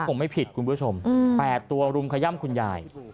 คงไม่ผิดคุณผู้ชม๘ตัวรุมขย่ำคุณยาย